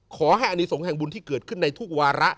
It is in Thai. ขอให้อนิสงฆ์แห่งบุญที่เกิดขึ้นในทุกวาระ